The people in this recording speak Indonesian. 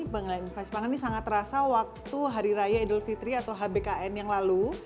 pengelolaan inflasi pangan ini sangat terasa waktu hari raya idul fitri atau hbkn yang lalu